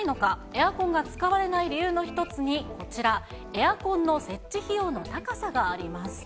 エアコンが使われない理由の一つに、こちら、エアコンの設置費用の高さがあります。